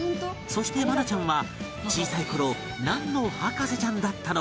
そして愛菜ちゃんは小さい頃なんの博士ちゃんだったのか？